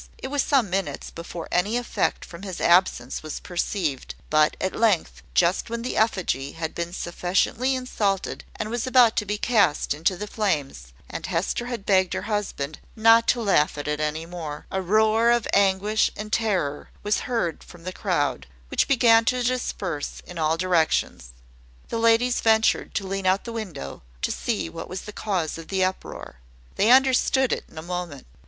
It was some minutes before any effect from his absence was perceived; but, at length, just when the effigy had been sufficiently insulted, and was about to be cast into the flames, and Hester had begged her husband not to laugh at it any more, a roar of anguish and terror was heard from the crowd, which began to disperse in all directions. The ladies ventured to lean out of the window, to see what was the cause of the uproar. They understood it in a moment.